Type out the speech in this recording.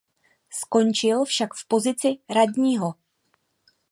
Skončil však v pozici radního.